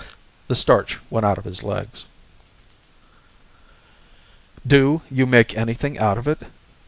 The starch went out of his legs. "Do you make anything out of it?"